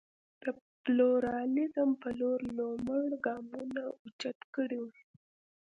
د پلورالېزم په لور لومړ ګامونه اوچت کړي وو.